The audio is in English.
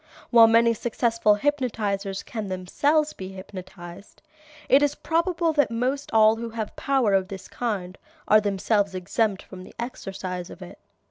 While many successful hypnotizers can themselves be hypnotized, it is probable that most all who have power of this kind are themselves exempt from the exercise of it.